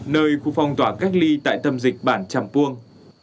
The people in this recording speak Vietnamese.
nơi khu phong tỏa cách ly tại tâm dịch bản tràm puông